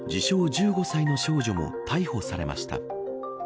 １５歳の少女も逮捕されました。